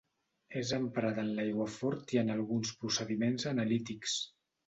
És emprada en l'aiguafort i en alguns procediments analítics.